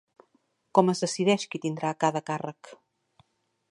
Com es decideix qui tindrà cada càrrec?